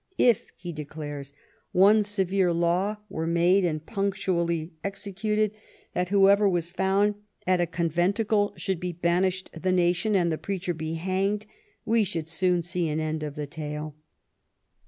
'^ If," he declares, "one severe law were made and punctually executed, that whoever was found at a conventicle should be banished the nation, and the preacher be hanged, we should soon see an end of the tale."